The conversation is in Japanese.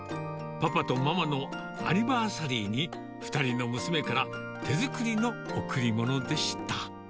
パパとママのアニバーサリーに、２人の娘から手作りの贈り物でした。